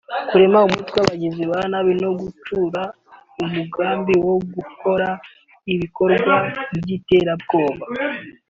kurema umutwe w’abagizi ba nabi no gucura umugambi wo gukora ibikorwa by’iterabwoba